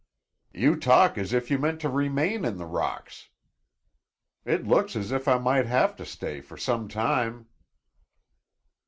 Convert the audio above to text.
"You talk as if you meant to remain in the rocks!" "It looks as if I might have to stay for some time."